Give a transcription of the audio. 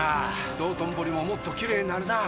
道頓堀ももっときれいになるなぁ。